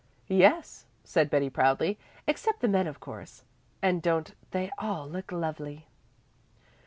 "Yes," said Betty proudly, "except the men, of course. And don't they all look lovely?"